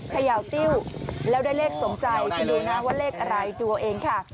เขย่าติ้วแล้วได้เลขสมใจคุณดูนะว่าเลขอะไรดูเอาเองค่ะ